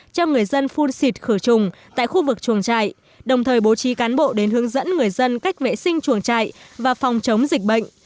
cho người dân phun xịt khử trùng tại khu vực chuồng trại đồng thời bố trí cán bộ đến hướng dẫn người dân cách vệ sinh chuồng trại và phòng chống dịch bệnh